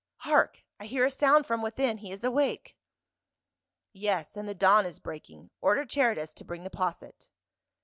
" Hark ! I hear a sound from within ; he is awake." " Yes, and the dawn is breaking ; order Cheridus to bring the posset."